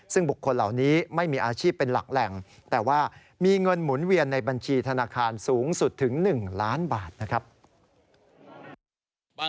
ซึ่งบุคคลเหล่านี้ไม่มีอาชีพเป็นหลักแหล่งแต่ว่ามีเงินหมุนเวียนในบัญชีธนาคารสูงสุดถึง๑ล้านบาทนะครับ